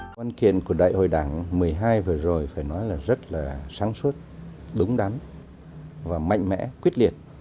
văn kiện của đại hội đảng một mươi hai vừa rồi phải nói là rất là sáng suốt đúng đắn và mạnh mẽ quyết liệt